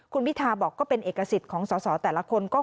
คุณพิทาบอกก็เป็นเอกสิทธิ์ของสอสอแต่ละคน